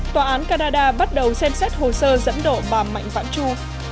tòa án canada bắt đầu xem xét hồ sơ dẫn độ bà mạnh vãn chu